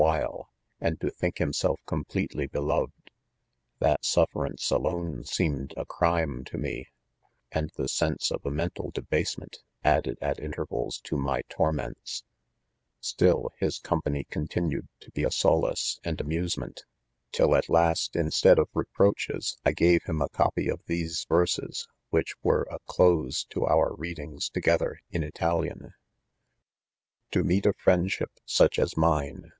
while, and to think himself completely belov ed. _ That sufferance alone seemed a crime to me s and the sense of a mental debasement, ad ded at intervals to my torments, otill, his company continued to be a solace and amuse THE CONCESSIONS. , 5y rnent ; til], at last, instead of reproaches I gave him o, copy of these verses, which were a close to our readings together in Italian; To meet a friendship such as mine.